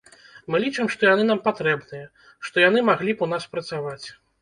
Мы лічым, што яны нам патрэбныя, што яны маглі б у нас працаваць.